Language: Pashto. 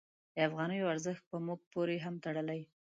د افغانیو ارزښت په موږ پورې هم تړلی.